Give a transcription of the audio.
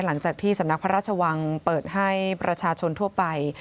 หลังจากที่สำนักพระราชวังเปิดให้ประชาชนทั่วไป